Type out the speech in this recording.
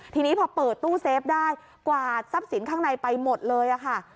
ทีนี้พอเปิดตู้เซฟได้กวาดทรัพย์สินข้างในไปหมดเลยค่ะ